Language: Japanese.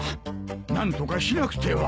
何とかしなくては。